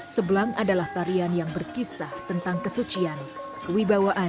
sebelang adalah tarian yang berkisah tentang kesucian kewibawaan